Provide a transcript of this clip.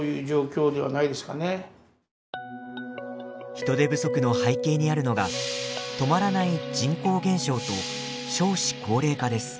人手不足の背景にあるのが止まらない人口減少と少子高齢化です。